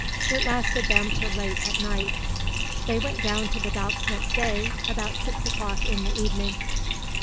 It lasted them till late at night. They went down to the Docks next day, about six o'clock in the evening.